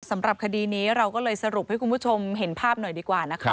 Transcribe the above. สำหรับคดีนี้เราก็เลยสรุปให้คุณผู้ชมเห็นภาพหน่อยดีกว่านะคะ